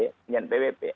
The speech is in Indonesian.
dia punya npwp